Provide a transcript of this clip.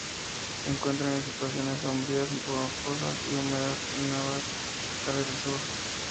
Se encuentran en situaciones sombrías boscosas y húmedas en Nueva Gales del Sur.